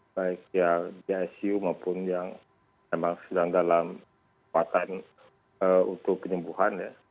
baik yang di icu maupun yang memang sedang dalam kekuatan untuk penyembuhan ya